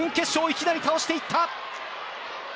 いきなり倒していった。